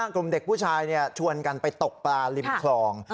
กลุ่มเด็กผู้ชายชวนกันไปตกปลาริมคลอง